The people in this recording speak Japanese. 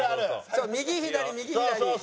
そう右左右左。